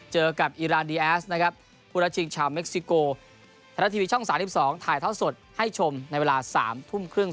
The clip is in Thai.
เจอกับอิรานดีแอสผู้ท้าชิงชาวเม็กซิโกแทนทัศน์ทีวีช่อง๓๒ถ่ายท่อสดให้ชมในเวลา๓ทุ่มครึ่ง